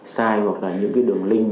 sai hoặc là những cái đường link